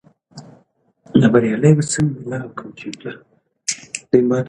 او فکري ساختمان او جوړښت